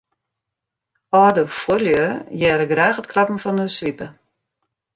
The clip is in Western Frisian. Alde fuorlju hearre graach it klappen fan 'e swipe.